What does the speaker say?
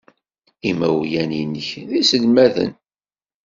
Imawlan-nnek d iselmaden?